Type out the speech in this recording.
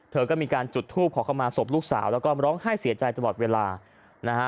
เธอก็มีการจุดทูปขอเข้ามาศพลูกสาวแล้วก็ร้องไห้เสียใจตลอดเวลานะฮะ